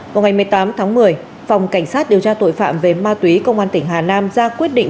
vào ngày một mươi tám tháng một mươi phòng cảnh sát điều tra tội phạm về ma túy công an tỉnh hà nam ra quyết định